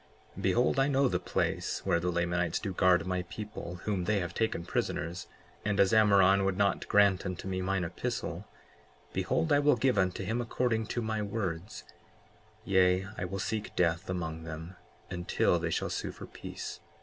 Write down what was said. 55:3 Behold, I know the place where the Lamanites do guard my people whom they have taken prisoners; and as Ammoron would not grant unto me mine epistle, behold, I will give unto him according to my words; yea, I will seek death among them until they shall sue for peace.